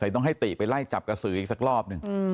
ต้องให้ติไปไล่จับกระสืออีกสักรอบหนึ่ง